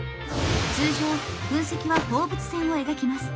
通常噴石は放物線を描きます。